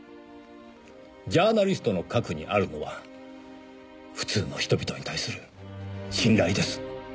ジャーナリストの核にあるのは普通の人々に対する信頼です。